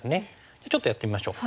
じゃあちょっとやってみましょう。